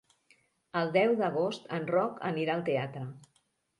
El deu d'agost en Roc anirà al teatre.